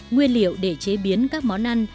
nguyên liệu để chế biến các món ăn